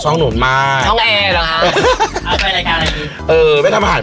เห็นแล้วเสียวปีเนี่ย